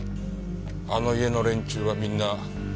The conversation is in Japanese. あの家の連中はみんな。